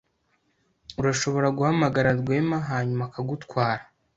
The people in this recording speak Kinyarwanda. Urashobora guhamagara Rwema hanyuma akagutwara.